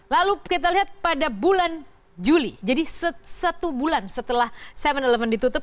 lalu kita lihat pada bulan juli jadi satu bulan setelah tujuh eleven ditutup